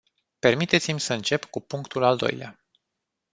Permiteți-mi să încep cu punctul al doilea.